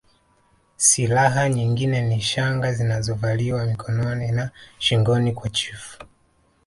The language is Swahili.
Silaha nyingine ni shanga zinazovaliwa mikononi na shingoni kwa chifu